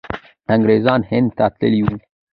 انګریزان هند ته تللي وو.